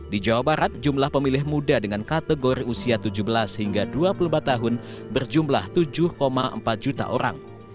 di jawa barat jumlah pemilih muda dengan kategori usia tujuh belas hingga dua puluh empat tahun berjumlah tujuh empat juta orang